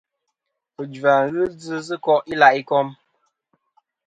Fujva ghɨ djɨ sɨ ko' i la' ikom.